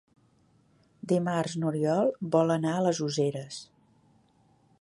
Dimarts n'Oriol vol anar a les Useres.